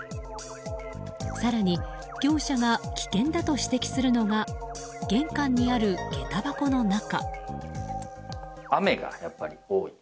更に業者が危険だと指摘するのが玄関にある下駄箱の中。